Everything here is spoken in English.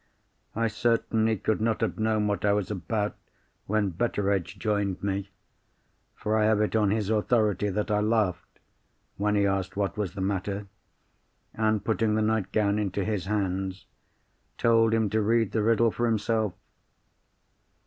I certainly could not have known what I was about when Betteredge joined me—for I have it on his authority that I laughed, when he asked what was the matter, and putting the nightgown into his hands, told him to read the riddle for himself.